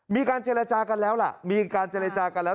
มีการเจรจากันแล้วล่ะมีการเจรจากันแล้ว